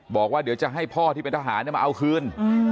บอกว่าเดี๋ยวจะให้พ่อที่เป็นทหารมาเอาคืน